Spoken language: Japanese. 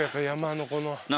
山のこの。